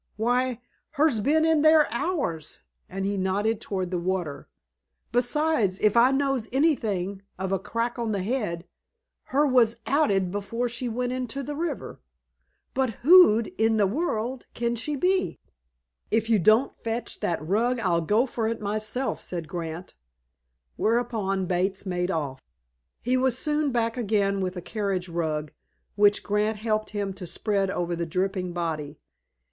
"Why, her's bin in there hours," and he nodded toward the water. "Besides, if I knows anythink of a crack on t'head, her wur outed before she went into t'river.... But who i' t'world can she be?" "If you don't fetch that rug I'll go for it myself," said Grant, whereupon Bates made off. He was soon back again with a carriage rug, which Grant helped him to spread over the dripping body.